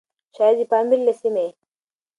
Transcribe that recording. شايد د پامير له سيمې؛